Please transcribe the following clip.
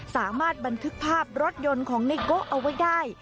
สามารถบันทึกภาพรถยนต์ของในโกะเอาไว้ได้